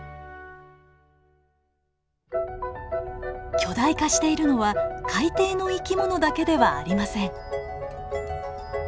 巨大化しているのは海底の生き物だけではありません。